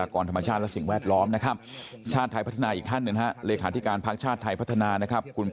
ก็พร้อมที่จะไปคุย